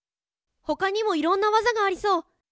他にもいろんな技がありそう。